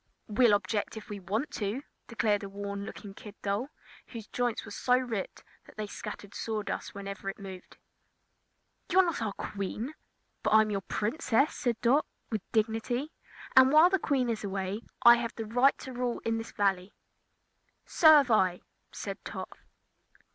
"We'll object if we want to!" declared a worn looking kid doll, whose joints were so ripped that they scattered sawdust whenever it moved. "You're not our Queen." "But I'm your Princess," said Dot, with dignity, "and while the Queen is away I have the right to rule in this Valley." "So have I," said Tot.